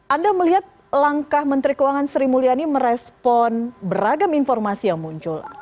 anda melihat langkah menteri keuangan sri mulyani merespon beragam informasi yang muncul